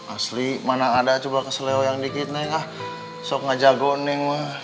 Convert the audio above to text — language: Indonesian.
asli mana ada coba keselio yang dikit nih sok ngajak go neng mah